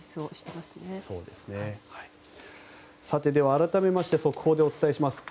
改めまして速報でお伝えします。